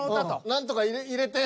何とか入れて！